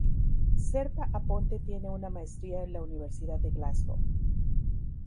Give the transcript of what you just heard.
Zerpa Aponte tiene una maestría de la Universidad de Glasgow.